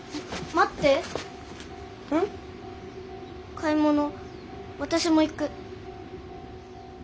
買い物私も行く。